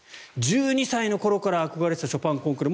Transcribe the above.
１２歳の頃から憧れていたショパンコンクール